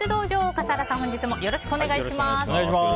笠原さん、本日もよろしくお願いします。